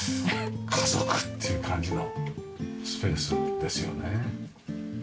家族っていう感じのスペースですよね。